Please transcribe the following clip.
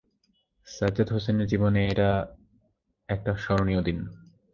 সাজ্জাদ হোসেনের জীবনে এটা একটা স্মরণীয় দিন।